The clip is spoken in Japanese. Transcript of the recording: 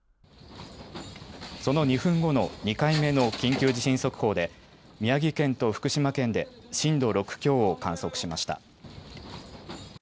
その２分後の２回目の緊急地震速報で宮城県と福島県で震度６強を観測しました。